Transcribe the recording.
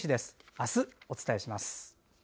あす、お伝えします。